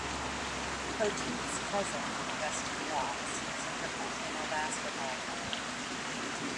Poteat's cousin, Justin Watts, is professional basketball player.